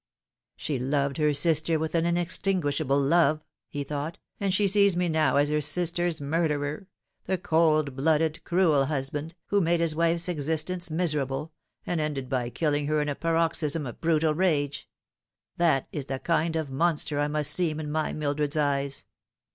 " She loved her sister with an inextinguishable love," he thought, " and she sees me now as her sister's murderer the cold blooded, cruel husband, who made his wife's existence miserable, and ended by killing her in a paroxysm of brutal rage : that is the kind of monster I must seem in my Mildred's eyes.